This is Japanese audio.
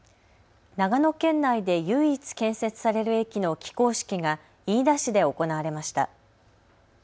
長野県内で唯一、建設される駅の起工式が飯田市で行われました。